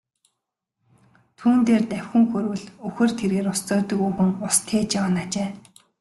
Түүн дээр давхин хүрвэл үхэр тэргээр ус зөөдөг өвгөн ус тээж яваа нь ажээ.